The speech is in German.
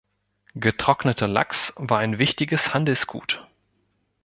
Getrockneter Lachs war ein wichtiges Handelsgut.